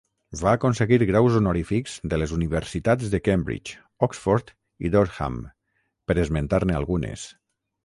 Va aconseguir graus honorífics de les universitats de Cambridge, Oxford i Durham, per esmentar-ne algunes.